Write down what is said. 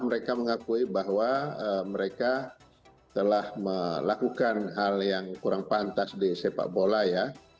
mereka mengakui bahwa mereka telah melakukan hal yang kurang pantas di sepak bola ya